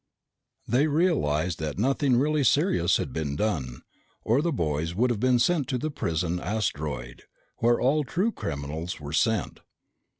They realized that nothing really serious had been done, or the boys would have been sent to the prison asteroid, where all true criminals were sent.